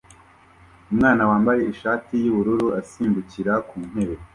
Umwana wambaye ishati yubururu asimbukira ku ntebe